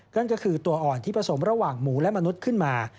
นั่นก็คือตัวอ่อนที่ผสมระหว่างหมูและมนุษย์ขึ้นมา